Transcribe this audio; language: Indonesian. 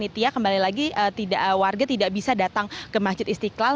dan untuk mekanismenya sendiri nanti panitia kembali lagi warga tidak bisa datang ke masjid istiqlal